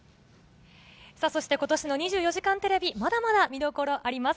さあ、そしてことしの２４時間テレビ、まだまだ見どころあります。